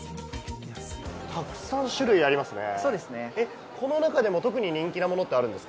たくさん種類ありますね。